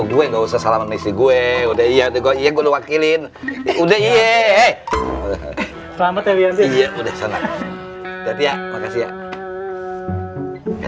gue nggak usah salam misi gue udah iya gue gue wakilin udah iya selamat ya iya udah